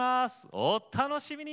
お楽しみに！